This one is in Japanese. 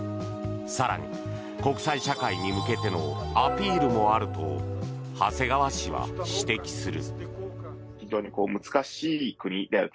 更に、国際社会に向けてのアピールもあると長谷川氏は指摘する。